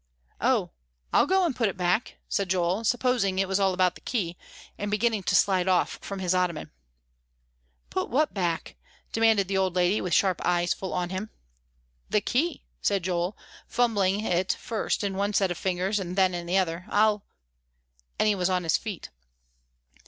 "Oh, I'll go and put it back," said Joel, supposing it was all about the key, and beginning to slide off from his ottoman. "Put what back?" demanded the old lady with sharp eyes full on him. "The key," said Joel, fumbling it first in one set of fingers, then in the other. "I'll " and he was on his feet.